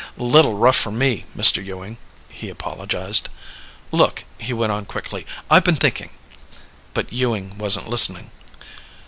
"Little rough for me, Mr. Ewing," he apologized. "Look," he went on quickly, "I've been thinking...." But Ewing wasn't listening.